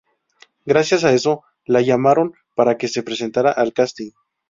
Gracias a eso, la llamaron para que se presentara al casting.